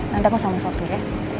nanti aku sama satu ya